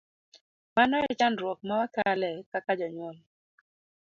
Mano e chandruok ma wakale kaka jonyuol.